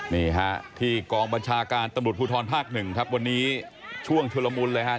นี่ฮะที่กองบัญชาการตำรวจภูทรภาคหนึ่งครับวันนี้ช่วงชุลมุนเลยฮะ